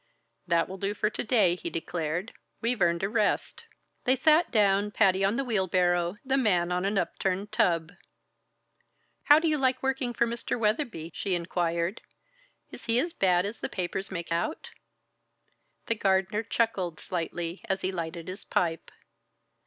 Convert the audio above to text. "That will do for to day," he declared; "we've earned a rest." They sat down, Patty on the wheelbarrow, the man on an upturned tub. "How do you like working for Mr. Weatherby?" she inquired. "Is he as bad as the papers make out?" The gardener chuckled slightly as he lighted his pipe.